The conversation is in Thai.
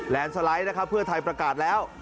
สไลด์นะครับเพื่อไทยประกาศแล้ว